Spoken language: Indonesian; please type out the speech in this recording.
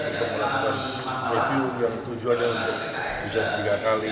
untuk melakukan review yang tujuannya untuk bisa tiga kali